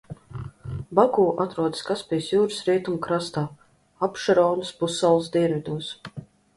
Baku atrodas Kaspijas jūras rietumu krastā, Abšeronas pussalas dienvidos.